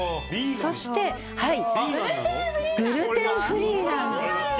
そして、グルテンフリーなんです。